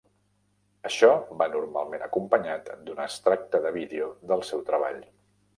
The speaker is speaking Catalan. Això va normalment acompanyat d'un extracte de vídeo del seu treball.